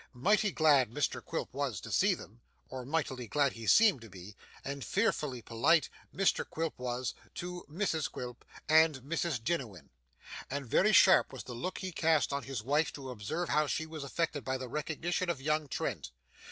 Mighty glad Mr Quilp was to see them, or mightily glad he seemed to be; and fearfully polite Mr Quilp was to Mrs Quilp and Mrs Jiniwin; and very sharp was the look he cast on his wife to observe how she was affected by the recognition of young Trent.